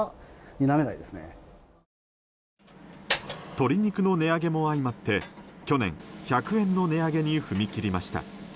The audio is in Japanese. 鶏肉の値上げも相まって去年、１００円の値上げに踏み切りました。